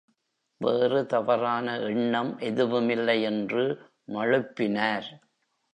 வேறு தவறான எண்ணம் எதுவுமில்லை என்று மழுப்பினார்.